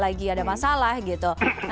lagi ada masalah gitu